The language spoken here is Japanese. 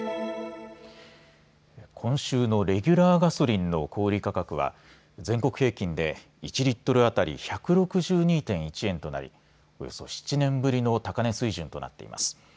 今週のレギュラーガソリンの小売価格は全国平均で１リットル当たり１６２．１円となりおよそ７年ぶりの高値水準となっています。